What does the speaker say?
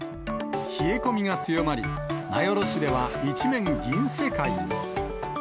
冷え込みが強まり、名寄市では一面銀世界に。